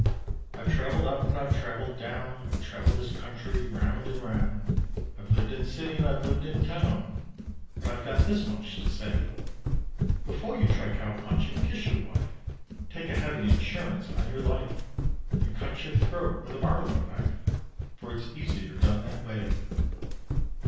I've traveled up and I've traveled down, I've traveled this country round and round, I've lived in city and I've lived in town, But I've got this much to say: Before you try cow punching, kiss your wife, Take a heavy insurance on your life, Then cut your throat with a barlow knife, For it's easier done that way.